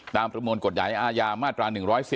ประมวลกฎหมายอาญามาตรา๑๔